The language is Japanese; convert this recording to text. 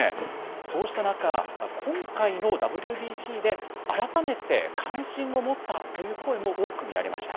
そうした中、今回のＷＢＣで改めて関心を持ったという声も多く見られました。